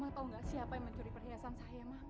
mama tau gak siapa yang mencuri perhiasan saya mang